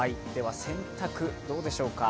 洗濯はどうでしょうか？